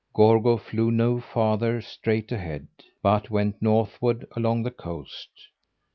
Gorgo flew no farther straight ahead, but went northward along the coast.